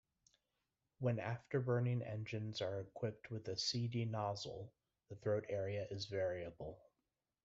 When afterburning engines are equipped with a C-D nozzle the throat area is variable.